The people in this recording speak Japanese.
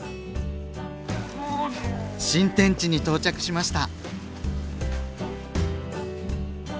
新天地に到着しました！